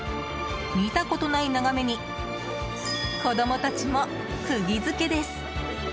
見たことない眺めに子供たちも釘付けです！